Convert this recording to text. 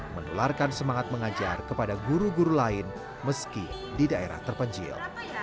menularkan semangat mengajar kepada guru guru lain meski di daerah terpencil